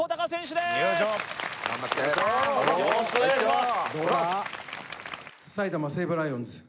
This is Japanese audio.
よろしくお願いします